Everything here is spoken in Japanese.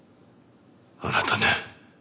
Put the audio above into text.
あなたね。